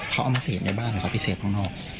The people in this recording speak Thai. เขาเอามาเศษในบ้านหรือเขาไปเศษข้างนอก